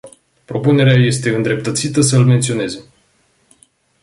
Propunerea este îndreptățită să îl menționeze.